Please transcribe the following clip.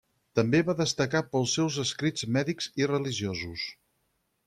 També va destacar pels seus escrits mèdics i religiosos.